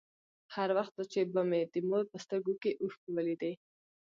هر وخت چې به مې د مور په سترگو کښې اوښکې ولېدې.